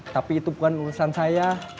tapi itu bukan urusan saya